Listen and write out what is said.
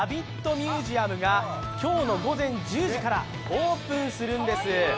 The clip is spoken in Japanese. ミュージアムが今日の午前１０時からオープンするんです。